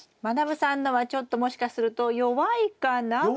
まなぶさんのはちょっともしかすると弱いかな。